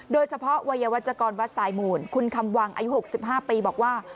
โดยเฉพาะวัยวจกรวัดไซมูลคุณคำวังอายุหกสิบห้าปีบอกว่า